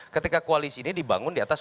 ketika koalisi ini dibangun diatas